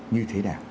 như thế nào